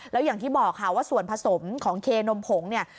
แล้วอย่างที่บอกค่ะว่าส่วนผสมของเคนมผงเนี่ย